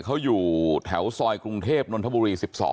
เขาอยู่แถวซอยกรุงเทพนนทบุรี๑๒